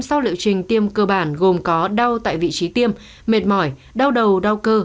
sau liệu trình tiêm cơ bản gồm có đau tại vị trí tiêm mệt mỏi đau đầu đau cơ